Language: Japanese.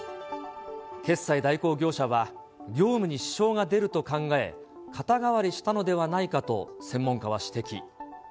決済代行業者は、業務に支障が出ると考え、肩代わりしたのではないかと専門家は指摘。